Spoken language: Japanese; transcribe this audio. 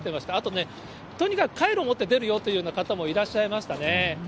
あとね、とにかくカイロ持って出るよという方もいらっしゃいましたね。